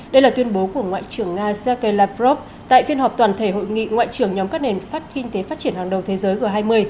đây là tuyên bố của ngoại trưởng nga sergei lavrov tại phiên họp toàn thể hội nghị ngoại trưởng nhóm các nền pháp kinh tế phát triển hàng đầu thế giới g hai mươi